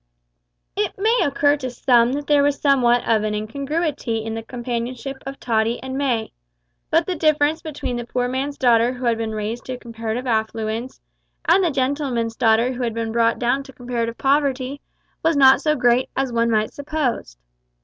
It may occur to some that there was somewhat of incongruity in the companionship of Tottie and May, but the difference between the poor man's daughter who had been raised to comparative affluence, and the gentleman's daughter who had been brought down to comparative poverty, was not so great as one might suppose.